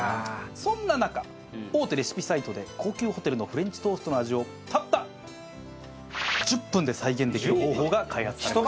そんな中大手レシピサイトで高級ホテルのフレンチトーストの味をたった１０分で再現できる方法が開発されました。